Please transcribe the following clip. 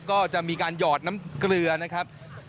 ก็จะมีการหยอดน้ำเกลือนะครับ